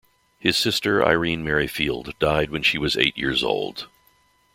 His sister Irene Merryfield died when she was eight years old.